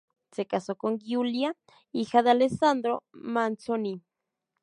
Se casó con Giulia, hija de Alessandro Manzoni.